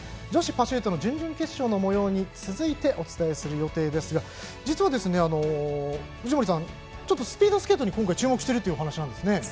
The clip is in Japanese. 女子パシュートの準々決勝のもように続いてお伝えする予定ですが実は、藤森さんスピードスケートに今回注目しているということですね。